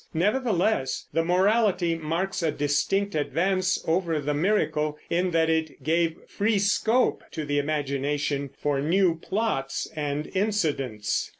Nevertheless, the Morality marks a distinct advance over the Miracle in that it gave free scope to the imagination for new plots and incidents.